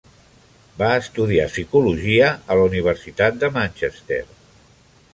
Va estudiar Psicologia a la Universitat de Manchester.